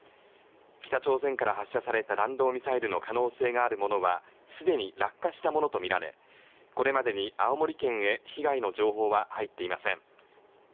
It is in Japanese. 北朝鮮から発射された弾道ミサイルの可能性があるものは既に落下したものとみられ、これまでに青森県へ被害の情報は入っていません。